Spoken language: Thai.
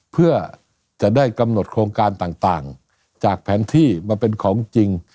เพื่อจะได้กำหนดโครงการต่างจากแผนที่มาเป็นของจริง